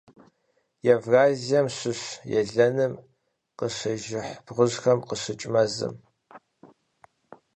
Евразием щыщ елэным къыщежыхь бгыщхьэм къыщыкӀ мэзым.